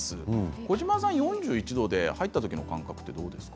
児嶋さん、４１度で入った時の感覚はどうですか？